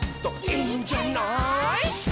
「いいんじゃない」